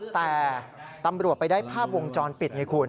แต่ตำรวจไปได้ภาพวงจรปิดไงคุณ